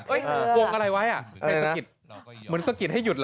เฮ้ยวงอะไรไว้มันสกิดให้หยุดเหรอ